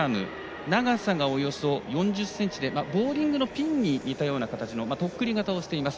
長さが、およそ４０ｃｍでボウリングのピンに似たような形のとっくり形をしています。